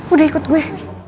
udah ikut gue